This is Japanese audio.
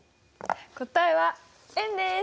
答えは円です。